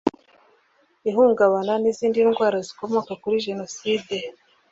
Ihungabana n izindi ndwara zikomoka kuri Jenoside